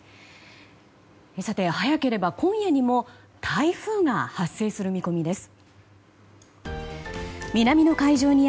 さて、早ければ今夜にも台風が発生する見込みです。